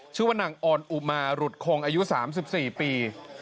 ชื่อว่านางออนอุมาหลุดคงอายุ๓๔ปี